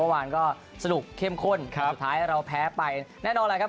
วันก็สนุกเข้มข้นครับสุดท้ายเราแพ้ไปแน่นอนแหละครับ